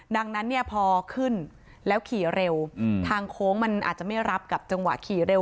ดังนั้นเนี่ยพอขึ้นแล้วขี่เร็วทางโค้งมันอาจจะไม่รับกับจังหวะขี่เร็ว